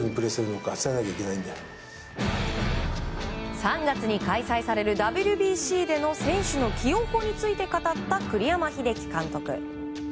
３月に開催されるＷＢＣでの選手の起用法について語った栗山英樹監督。